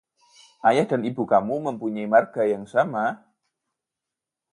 Ayah dan Ibu kamu mempunyai marga yang sama?